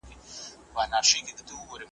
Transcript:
په لږ وخت کي سوې بد بویه زرغونې سوې .